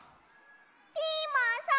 ピーマンさん！